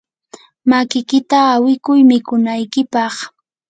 makiykita awikuy mikunaykipaq.